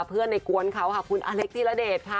เพื่อนในกวนเขาคุณอเล็กที่ระเด็ดค่ะ